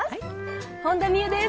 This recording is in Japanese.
本田望結です。